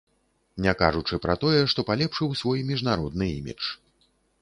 Не кажучы пра тое, што палепшыў свой міжнародны імідж.